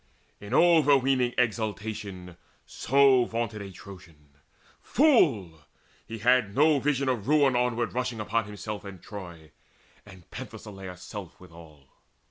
In overweening exultation so Vaunted a Trojan. Fool! he had no vision Of ruin onward rushing upon himself And Troy, and Penthesileia's self withal.